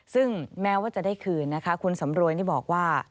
ซึ่งแม้ว่าจะได้คืนนะคะคุณสำรวยนี่บอกว่า